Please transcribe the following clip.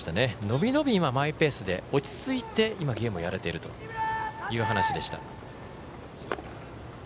伸び伸びマイペースで落ち着いてゲームをやれているという話でした。